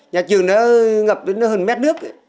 nhà trường nó ngập hơn một m nước